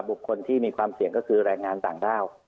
บุคคลที่มีความเสี่ยงก็คือแรงงานต่างด้าว